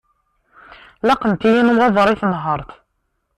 Laqent-iyi nnwaḍer i tenhert.